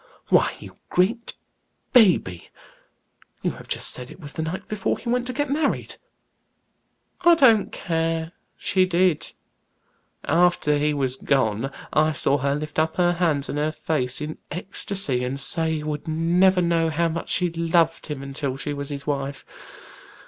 "Why, you great baby! You have just said it was the night before he went to get married!" "I don't care, she did. After he was gone, I saw her lift up her hands and her face in ecstacy, and say he would never know how much she loved him until she was his wife.